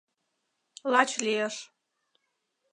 Лач лиеш...